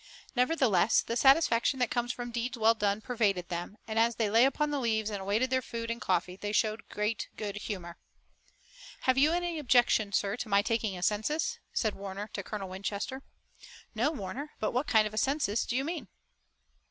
Nevertheless the satisfaction that comes from deeds well done pervaded them, and as they lay upon the leaves and awaited their food and coffee they showed great good humor. "Have you any objection, sir, to my taking a census?" said Warner to Colonel Winchester. "No, Warner, but what kind of a census do you mean?"